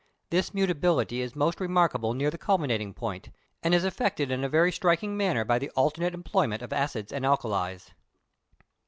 This mutability is most remarkable near the culminating point, and is effected in a very striking manner by the alternate employment of acids and alkalis.